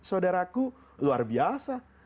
saudaraku luar biasa